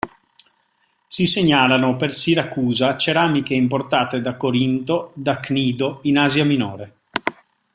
Si segnalano per Siracusa ceramiche importate da Corinto, da Cnido, in Asia Minore.